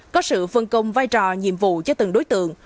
có sự phân công vai trò nhiệm vụ cho từng đối tượng